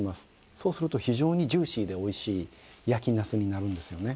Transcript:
そうすると非常にジューシーでおいしい焼きなすになるんですよね。